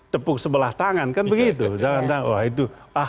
tepuk sebelah tangan kan begitu